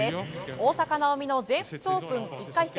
大坂なおみの全仏オープン１回戦。